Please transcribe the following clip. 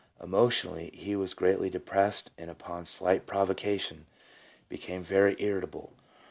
Emotionally, he was greatly depressed, and upon slight provocation became very irritable.